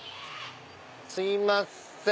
すいません。